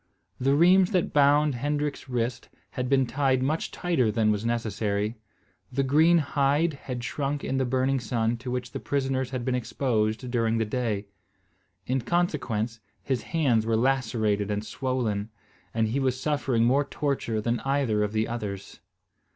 The rheims that bound Hendrik's wrists had been tied much tighter than was necessary. The green hide had shrunk in the burning sun to which the prisoners had been exposed during the day. In consequence, his hands were lacerated and swollen, and he was suffering more torture than either of the others.